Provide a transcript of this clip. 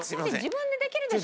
自分でできるでしょ。